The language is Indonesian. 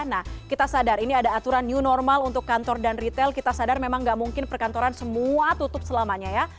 nah kita sadar ini ada aturan new normal untuk kantor dan retail kita sadar memang gak mungkin perkantoran semua tutup selamanya ya